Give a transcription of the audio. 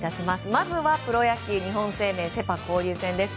まずは、プロ野球日本生命セ・パ交流戦です。